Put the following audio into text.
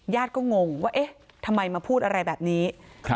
ก็งงว่าเอ๊ะทำไมมาพูดอะไรแบบนี้